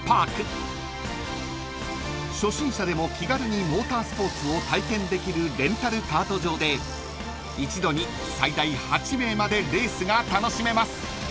［初心者でも気軽にモータースポーツを体験できるレンタルカート場で一度に最大８名までレースが楽しめます］